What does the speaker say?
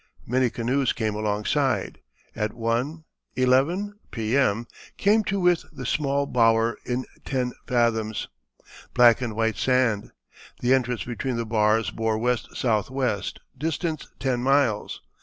Many canoes came alongside. At 1 (11?) P.M. came to with the small bower in 10 fathoms, black and white sand; the entrance between the bars bore WSW, distance 10 miles.